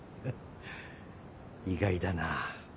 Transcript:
意外だな。